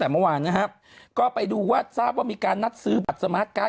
แต่เมื่อวานนะครับก็ไปดูว่าทราบว่ามีการนัดซื้อบัตรสมาร์ทการ